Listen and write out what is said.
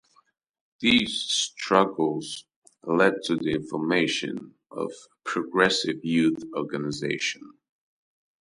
These struggles led to the formation of Progressive Youth Organization.